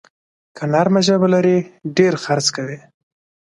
که نرمه ژبه لرې، ډېر خرڅ کوې.